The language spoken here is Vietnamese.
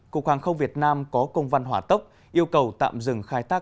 cục hàng không việt nam có công văn hỏa tốc yêu cầu tạm dừng khai thác